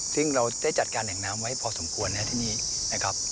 ซึ่งเราได้จัดการแหล่งน้ำไว้พอสมควรนะครับที่นี่นะครับ